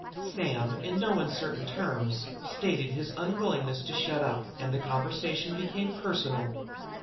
Sam, in no uncertain terms, stated his unwillingness to shut up, and the conversation became personal.